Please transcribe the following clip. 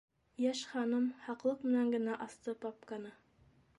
Йәш ханым һаҡлыҡ менән генә асты папканы.